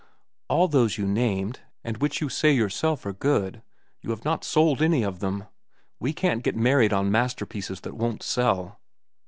"All those you named, and which you say yourself are good—you have not sold any of them. We can't get married on masterpieces that won't sell."